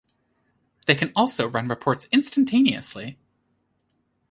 They can also run reports instantaneously.